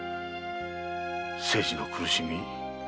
清次の苦しみ。